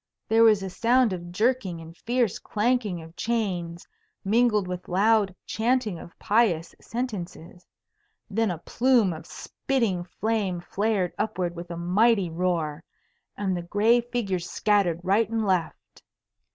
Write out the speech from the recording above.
There was a sound of jerking and fierce clanking of chains, mingled with loud chanting of pious sentences. Then a plume of spitting flame flared upward with a mighty roar, and the gray figures scattered right and left.